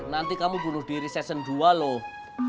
nanti kamu bunuh diri session dua loh